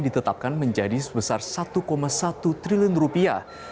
ditetapkan menjadi sebesar satu satu triliun rupiah